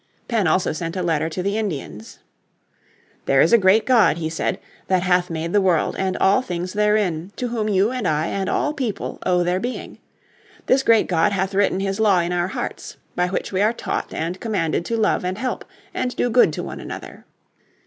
Penn also sent a letter to the Indians. "There is a great God," he said, "that hath made the world and all things therein, to Whom you, and I, and all people, owe their being. This great God hath written His law in our hearts, by which we are taught and commanded to love and help, and do good to one another.